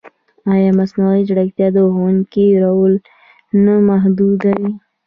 ایا مصنوعي ځیرکتیا د ښوونکي رول نه محدودوي؟